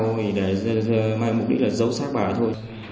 thì để mai mục đích là giấu sát bà thôi